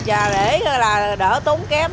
và để là đỡ tốn